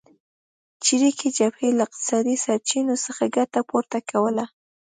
چریکي جبهې له اقتصادي سرچینو څخه ګټه پورته کوله.